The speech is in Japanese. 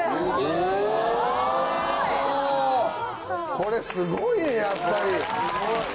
これすごいねやっぱり。